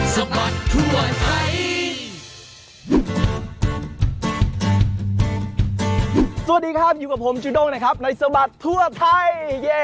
สวัสดีครับอยู่กับผมจุด้งในสบัดทั่วไทย